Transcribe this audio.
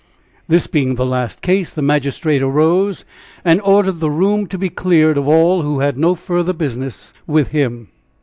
This being the last case, the magistrate arose and ordered the room to be cleared of all who had no further business with him.